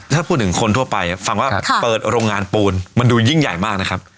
ถ้าพูดถึงคนทั่วไปฟังว่าเปิดโรงงานปูนมันดูยิ่งใหญ่มากนะครับ